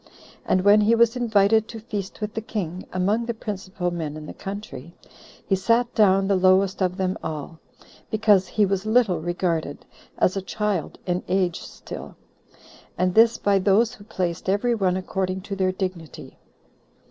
And when he was invited to feast with the king among the principal men in the country, he sat down the lowest of them all, because he was little regarded, as a child in age still; and this by those who placed every one according to their dignity.